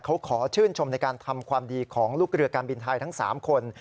เขาขอชื่นชมในการทำความดีของลูกเรือการบินไทยทั้ง๓คน